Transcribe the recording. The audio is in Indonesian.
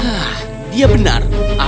hah dia benar apa yang kau lakukan